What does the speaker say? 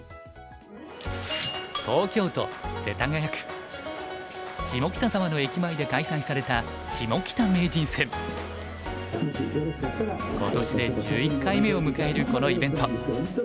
東京都世田谷区下北沢の駅前で開催された今年で１１回目を迎えるこのイベント。